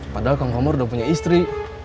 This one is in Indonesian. padahal kang komar udah punya istri